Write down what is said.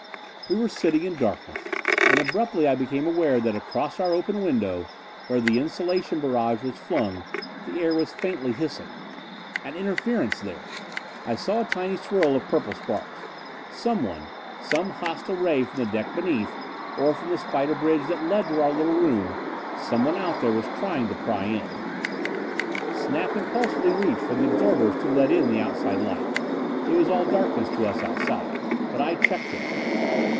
We were sitting in darkness, and abruptly I became aware that across our open window, where the insulation barrage was flung, the air was faintly hissing. An interference there! I saw a tiny swirl of purple sparks. Someone some hostile ray from the deck beneath us, or from the spider bridge that led to our little room someone out there trying to pry in! Snap impulsively reached for the absorbers to let in the outside light it was all darkness to us outside. But I checked him.